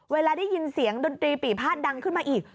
เวลาได้ยินเสียงดนตรีปีภาษดังขึ้นมาอีก